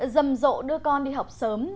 dầm dộ đưa con đi học sớm